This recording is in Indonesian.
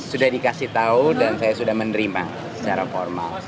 sudah dikasih tahu dan saya sudah menerima secara formal